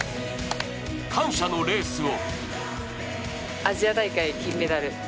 感謝のレースを。